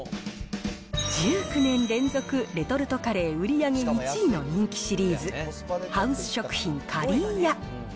１９年連続レトルトカレー売り上げ１位の人気シリーズ、ハウス食品かりー屋。